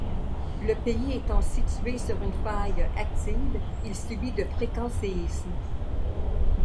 Le pays étant situé sur une faille active, il subit de fréquents séismes.